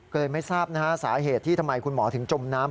ก็เลยไม่ทราบนะฮะสาเหตุที่ทำไมคุณหมอถึงจมน้ำ